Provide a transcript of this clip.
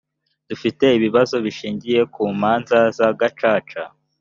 dufite ibibazo bishingiye ku manza za gacaca .